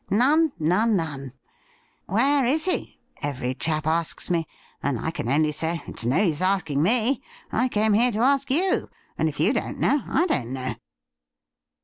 None, none, none !" Where is he .'''" every chap asks me, and I can only say, " It's no use asking me. I came here to ask you, and if you don't know, I don't know."